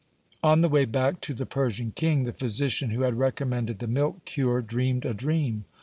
On the way back to the Persian king the physician who had recommended the milk cure dreamed a dream.